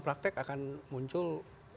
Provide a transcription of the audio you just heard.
praktek akan muncul